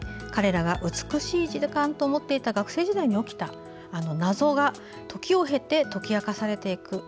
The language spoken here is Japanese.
彼らが美しい時間と思っていた学生時代に起きた謎が時を経て解き明かされていく。